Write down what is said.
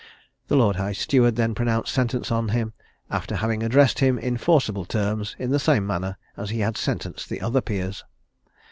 The Lord High Steward then pronounced sentence on him, after having addressed him in forcible terms, in the same manner as he had sentenced the other peers.